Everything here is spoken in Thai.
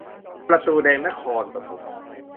ประตูแดงนครปฐม